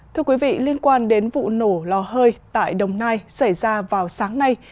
thưa quý vị liên quan đến vụ nổ lò hơi tại đồng nai xảy ra vào sáng nay